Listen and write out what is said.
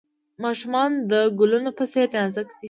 ماشومان د ګلونو په څیر نازک دي.